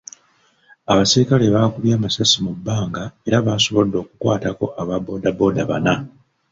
Abasirikale baakubye amasasi mu bbanga era baasobodde okukwatako aba bbooda bbooda bana.